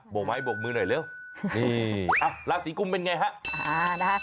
บอกไม้บอกมือหน่อยเร็วนี่ลาศีกุมเป็นไงฮะ